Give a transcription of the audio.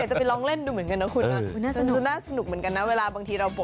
อยากจะไปลองเล่นดูเหมือนกันน่ะคุณนะน่าสนุกเหมือนกันนะ